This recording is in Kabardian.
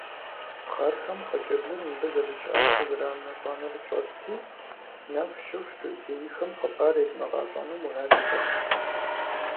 Пхъэрхэм хъыджэбзыр мыбы зэрыщыӀэр къызэрамыщӀэнур тщӀэрти, нэху щыху зейхэм хъыбар едмыгъэщӀэну мурад тщӀащ.